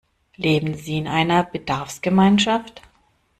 Leben Sie in einer Bedarfsgemeinschaft?